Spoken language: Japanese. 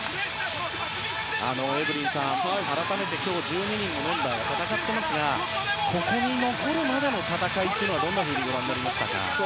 エブリンさん、改めて今日１２人のメンバーが戦っていますがここに残るまでの戦いはどんなふうにご覧になりましたか。